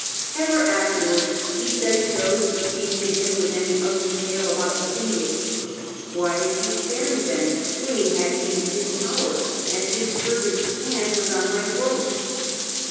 Ever afterwards he said to those who came to him with any ugly tale about Liciniiis, ' Why did he spare me then, when he had me in his power, and his servant's hand was on my throat